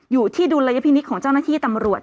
อยู่ที่ดุลัยพินิกของเจ้าหน้าที่ตำรวจ